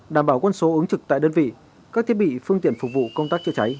đảm bảo quân số ứng trực tại đơn vị các thiết bị phương tiện phục vụ công tác chữa cháy